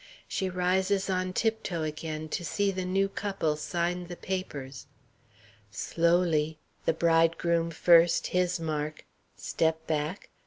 She rises on tiptoe again to see the new couple sign the papers. Slowly! The bridegroom first, his mark. Step back.